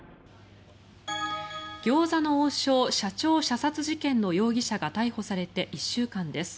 餃子の王将社長射殺事件の容疑者が逮捕されてから１週間です。